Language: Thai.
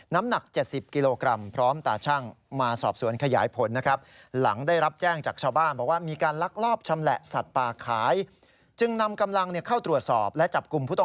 น้ำหนัก๗๐กิโลกรัมพร้อมตาชั่งมาสอบสวนขยายผลนะครับ